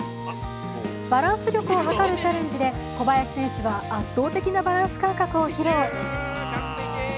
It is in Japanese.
バランス力をはかるチャレンジで小林選手は圧倒的なバランス感覚を披露。